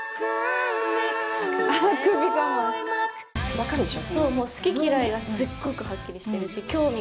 分かるでしょ？